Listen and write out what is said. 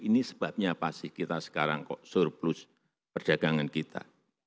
ini sebabnya apa sih kita sekarang kok surplus perdagangan kita